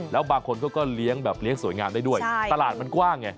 แล้วบางคนเขาก็เลี้ยงแบบเลี้ยงสวยงามได้ด้วยตลาดมันกว้างไง